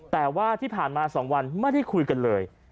แต่ว่าที่ผ่านมา๒วันไม่ได้คุยกันเลย